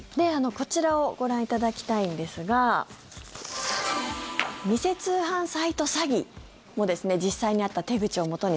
こちらをご覧いただきたいんですが偽通販サイト詐欺も実際にあった手口をもとに